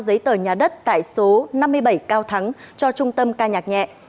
giấy tờ nhà đất tại số năm mươi bảy cao thắng cho trung tâm ca nhạc nhẹ